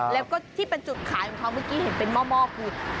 แล้วก็ที่เป็นจุดขายของเขาเมื่อกี้เห็นเป็นหม้อคือ